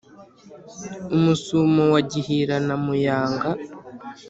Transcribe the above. Umusumo wa Gihira na Muyanga